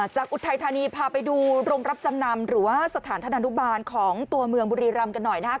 อุทัยธานีพาไปดูโรงรับจำนำหรือว่าสถานธนานุบาลของตัวเมืองบุรีรำกันหน่อยนะครับ